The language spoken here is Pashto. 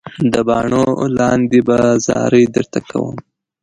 د باڼو لاندې به زارۍ درته کوم.